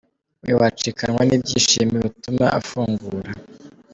we wacikanwa n’ibyishimo bituma afungura